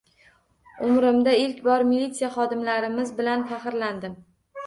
Umrimda ilk bor militsiya xodimlarimiz bilan faxrlandim